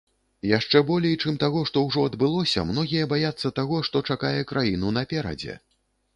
Яшчэ болей, чым таго, што ўжо адбылося, многія баяцца таго, што чакае краіну наперадзе.